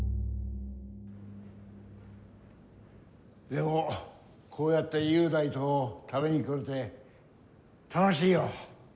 でもこうやって雄大とたびに来れて楽しいよ。